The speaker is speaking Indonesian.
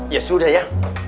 ya sudah ya